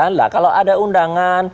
nah kalau ada undangan